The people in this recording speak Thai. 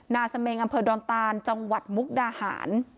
เสมงอำเภอดอนตานจังหวัดมุกดาหาร